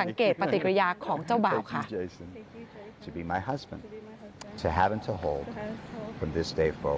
สังเกตปฏิกิริยาของเจ้าบ่าวค่ะ